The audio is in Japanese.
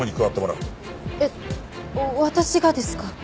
えっ私がですか？